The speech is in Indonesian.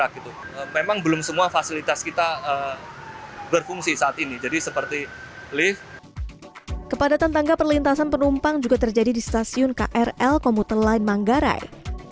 kepadatan tangga perlintasan penumpang juga terjadi di stasiun krl komuter line manggarai